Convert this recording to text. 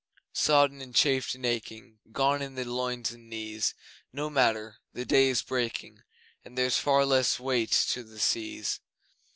Sodden, and chafed and aching, Gone in the loins and knees No matter the day is breaking, And there's far less weight to the seas!